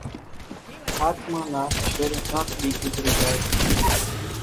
ۿاچمان نا زيرين ڪانڪ ۮِي ڳزري زائي سي